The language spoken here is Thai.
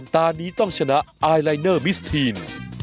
ตอนนี้ต้องชนะไอลายเนอร์มิสทีน